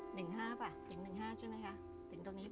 หนึ่งห้าป่ะถึงหนึ่งห้าใช่ไหมคะถึงตรงนี้